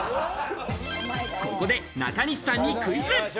ここで中西さんにクイズ！